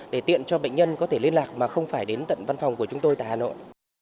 để tiện cho bệnh nhân có thể liên lạc mà không phải đến tận văn phòng của chúng tôi tại hà nội